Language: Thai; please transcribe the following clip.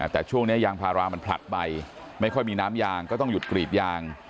แต่ช่วงนี้ยางพารามันผลัดไปไม่ค่อยมีน้ำยางก็ต้องหยุดกรีดยาง